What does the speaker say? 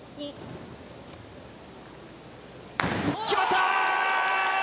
決まった！